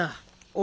お！